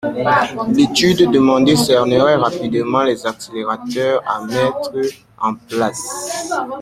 L’étude demandée cernerait rapidement les accélérateurs à mettre en place.